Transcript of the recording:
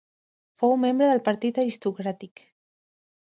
Fou membre del partit aristocràtic.